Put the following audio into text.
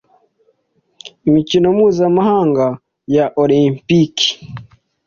Imikino mpuzamahanga ya Olempiki